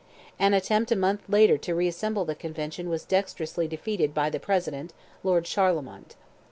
An attempt a month later to re assemble the Convention was dexterously defeated by the President, Lord Charlemont.